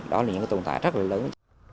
đó là những tồn tại rất là lớn